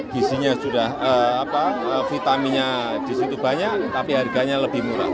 gizinya sudah vitaminnya di situ banyak tapi harganya lebih murah